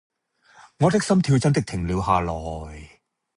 我的心跳真的停了下來